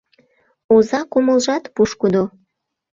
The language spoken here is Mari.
Оза кумылжат пушкыдо